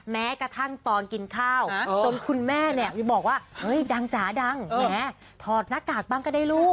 แม้กระทั่งตอนกินข้าวจนคุณแม่บอกว่าดังจะาแดงแม่ถอดหน้ากากบ้างก็ได้ลูก